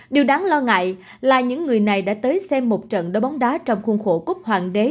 điều đáng lo ngại là những người này đã tới xem một trận đấu bóng đá trong khuôn khổ cúc hoàng đế